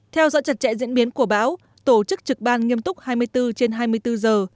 theo dõi chặt chẽ diễn biến của báo tổ chức trực ban nghiêm túc hai mươi bốn trên hai mươi bốn giờ